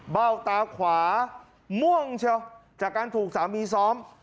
เบ้าตาขวาม่วงเชียวจากการถูกสามีซ้อม